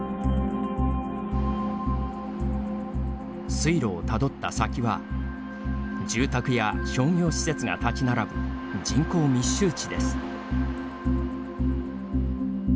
水路をたどった先は住宅や商業施設が立ち並ぶ人口密集地です。